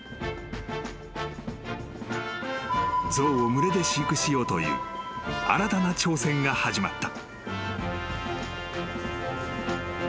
［象を群れで飼育しようという新たな挑戦が始まった］